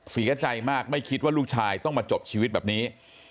เสียใจมากไม่คิดว่าลูกชายต้องมาจบชีวิตแบบนี้